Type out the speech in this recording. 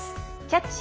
「キャッチ！